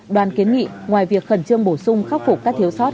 đoàn kiến nghị ngoài việc khẩn trương bổ sung khắc phục các thiếu sót